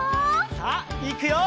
さあいくよ！